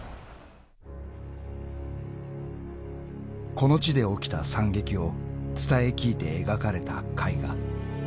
［この地で起きた惨劇を伝え聞いて描かれた絵画］